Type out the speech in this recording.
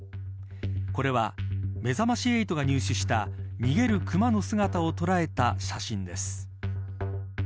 これはめざまし８が入手した逃げる熊の姿を捉えた写真です。